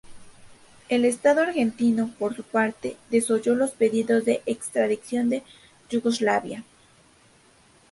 El Estado argentino, por su parte, desoyó los pedidos de extradición a Yugoslavia.